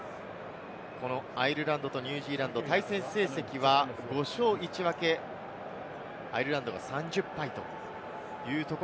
アイルランドとニュージーランド、対戦成績は５勝１分け、アイルランドが３０敗。